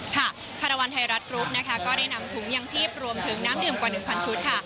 ค่ะคาระวัลไทยรัฐกรุ๊ปนะคะก็ได้นำถุงอย่างชีพรวมถึงน้ำเดือมกว่าหนึ่งพันชุดค่ะ